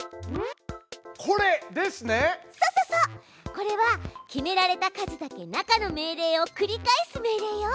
これは決められた数だけ中の命令を繰り返す命令よ。